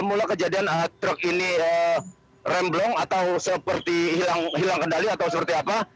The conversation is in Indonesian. mula kejadian truk ini remblong atau seperti hilang kendali atau seperti apa